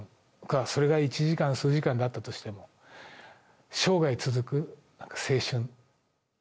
それが１時間、数時間だったとしても、生涯続く、なんか青春。